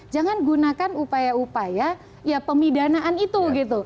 jangan gunakan upaya upaya ya pemidanaan itu gitu